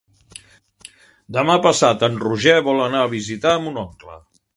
Demà passat en Roger vol anar a visitar mon oncle.